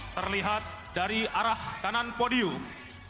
terlihat dari arah kanan podium